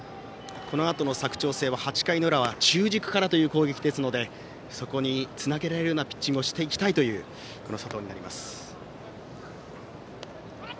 このあとも佐久長聖、８回の裏は中軸からという攻撃ですのでそこにつなげられるようなピッチングをしていきたいという佐藤です。